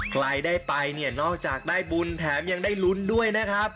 ใครได้ไปเนี่ยนอกจากได้บุญแถมยังได้ลุ้นด้วยนะครับ